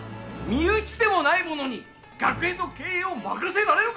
身内でもない者に学園の経営を任せられるか！